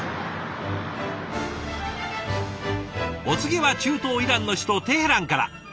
お次は中東イランの首都テヘランから。